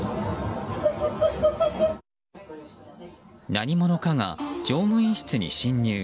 何者かが乗務員室に侵入。